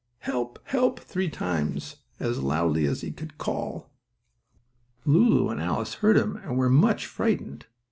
Help! Help!" three times, as loudly as he could call. Lulu and Alice heard him, and were much frightened.